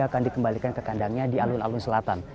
akan dikembalikan ke kandangnya di alun alun selatan